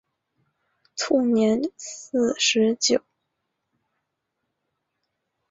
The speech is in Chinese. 卒年四十九。